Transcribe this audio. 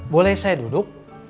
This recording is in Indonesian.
boleh saya duduk